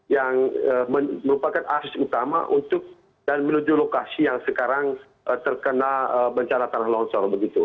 yang merupakan asis utama untuk dan menuju lokasi yang sekarang terkena bencana tanah longsor begitu